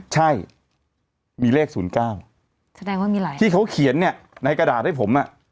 ใช่มีเลข๐๙แสดงว่ามีหลายที่เขาเขียนเนี่ยในกระดาษให้ผมอ่ะ